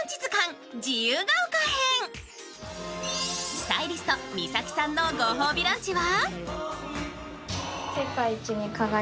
スタイリスト、みさきさんのご褒美ランチは？